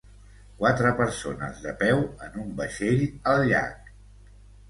Quatre persones de peu en un vaixell al llac.